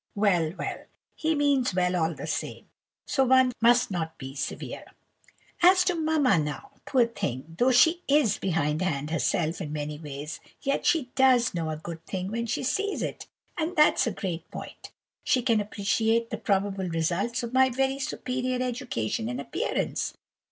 Well, well, he means well, all the same, so one must not be severe. As to mamma now—poor thing—though she is behindhand herself in many ways, yet she does know a good thing when she sees it, and that's a great point. She can appreciate the probable results of my very superior education and appearance.